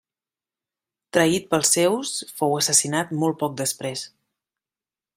Traït pels seus fou assassinat molt poc després.